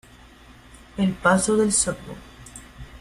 El paso del Stmo.